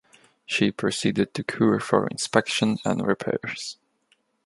She proceeded to Kure for inspection and repairs.